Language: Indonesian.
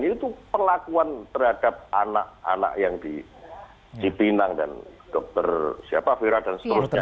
ini tuh perlakuan terhadap anak anak yang di pinang dan dokter siapa vera dan seterusnya itu